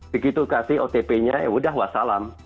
begitu kasih otp nya ya udah wassalam